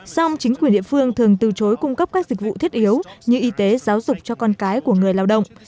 song chính quyền địa phương thường từ chối cung cấp các dịch vụ thiết yếu như y tế giáo dục cho con cái của người lao động